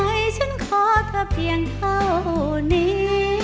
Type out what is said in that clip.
ให้ฉันขอแต่เพียงเท่านี้